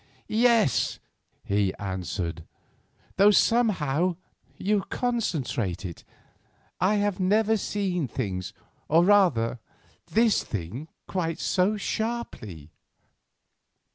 "Yes," he answered, "though somehow you concentrate it; I have never seen things, or, rather, this thing, quite so sharply."